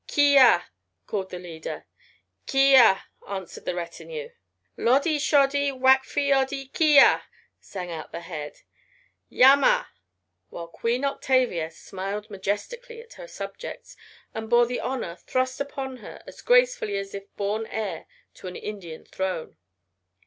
"Ki ah!" called the leader. "Ki ah!" answered the retinue. "Loddy Shoddy, Wack fi Oddy Ki ah!" sang out the head "Yamma," while Queen Octavia smiled majestically at her subjects, and bore the honor thrust upon her as gracefully as if born heir to an Indian throne.